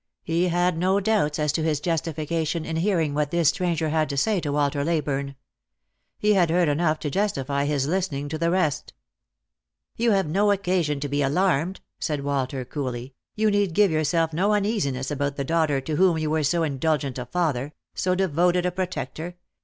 He had no doubts as to his ; i>tification in hearing what this stranger had to say to Walter 158 Lost for Love. Leyburne. He had heard enough to justify his listening to the rest. " You have no occasion to be alarmed," said Walter coolly ;" you need give yourself no uneasiness about the daughter to whom you were so indulgent a father, so devoted a protector.